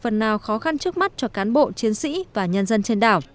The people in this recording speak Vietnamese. phần nào khó khăn trước mắt cho cán bộ chiến sĩ và nhân dân trên đảo